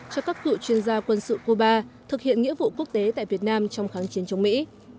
cho các cựu chuyên gia quân sự cuba thực hiện nghĩa vụ quốc tế tại việt nam trong kháng chiến chống mỹ